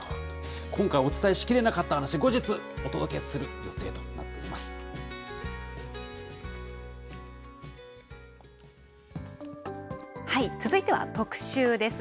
今回、お伝えしきれなかった話、後日、お届けする予定となってい続いては特集です。